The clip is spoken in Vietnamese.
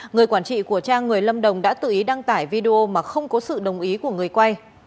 người quản trị của cha người lâm đồng đã tự ý đăng tải video mà không có sự đồng ý của người quay